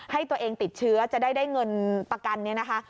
ให้ตัวเองติดเชื้อจะได้ได้เงินประกันเนี่ยนะคะ